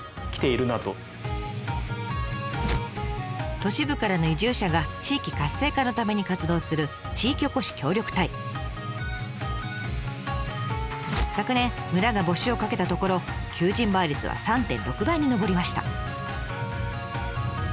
都市部からの移住者が地域活性化のために活動する昨年村が募集をかけたところ求人倍率は３．６倍に上りました。